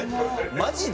マジで？